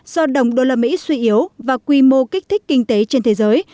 do đồng usd suy yếu và quy mô kích thích kinh tế trên thế giới